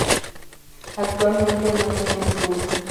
Actualmente no tiene club